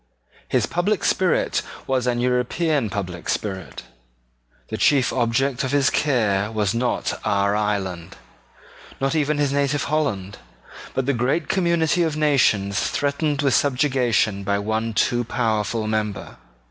His public spirit was an European public spirit. The chief object of his care was not our island, not even his native Holland, but the great community of nations threatened with subjugation by one too powerful member.